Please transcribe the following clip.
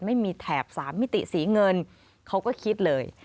ไม่มีแถบ๓มิติสีเงินเขาก็คิดเลย